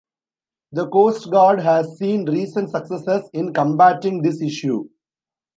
The Coast Guard has seen recent successes in combating this issue.